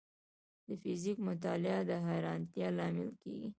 د فزیک مطالعه د حیرانتیا لامل کېږي.